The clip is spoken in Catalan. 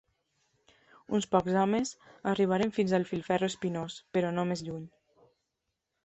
Uns pocs homes arribaren fins al filferro espinós, però no més lluny.